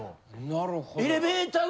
なるほど。